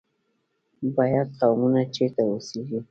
بیات قومونه چیرته اوسیږي؟